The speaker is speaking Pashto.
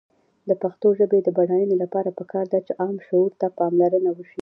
د پښتو ژبې د بډاینې لپاره پکار ده چې عام شعور ته پاملرنه وشي.